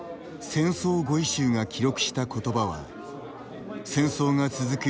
「戦争語彙集」が記録した言葉は戦争が続く